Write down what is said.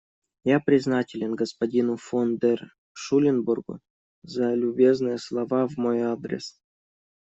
Я признателен господину фон дер Шуленбургу за любезные слова в мой адрес.